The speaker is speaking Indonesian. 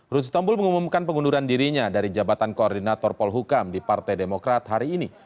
rusitombol mengumumkan pengunduran dirinya dari jabatan koordinator polhukam di partai demokrat hari ini